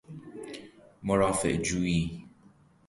مرافعه جویی